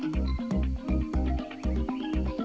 ketika kita menghidupkan kekah